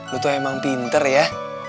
lu tuh emang pinter ya